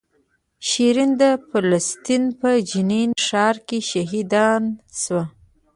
شیرین د فلسطین په جنین ښار کې شهیدان شوه.